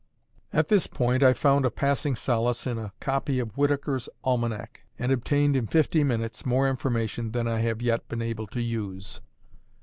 At this point, I found a passing solace in a copy of Whittaker's Almanac, and obtained in fifty minutes more information than I have yet been able to use.